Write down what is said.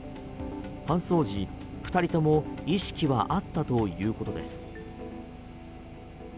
搬送時、２人とも意識はあったということです。